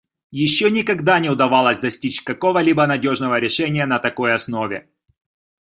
Еще никогда не удавалось достичь какого-либо надежного решения на такой основе.